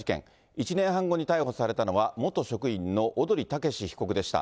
１年半後に逮捕されたのは、元職員の小鳥剛被告でした。